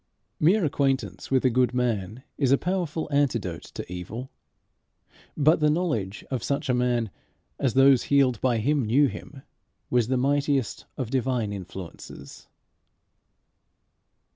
Mere acquaintance with a good man is a powerful antidote to evil; but the knowledge of such a man, as those healed by him knew him, was the mightiest of divine influences.